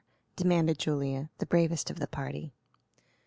demanded Julia, the bravest of the party.